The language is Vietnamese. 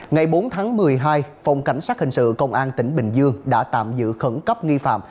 ngày bốn tháng một mươi hai phòng cảnh sát hình sự công an tỉnh bình dương đã tạm giữ khẩn cấp nghi phạm